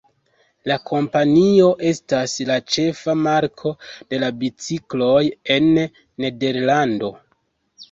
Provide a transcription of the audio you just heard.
La kompanio estas la ĉefa marko de bicikloj en Nederlando.